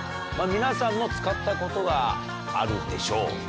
皆さんも使ったことがあるでしょう